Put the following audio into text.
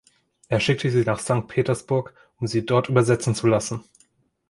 Er schickte sie nach Sankt Petersburg, um sie dort übersetzen zu lassen.